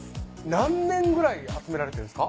何年くらい集められてるんですか？